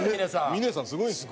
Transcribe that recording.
峰さんすごいんです。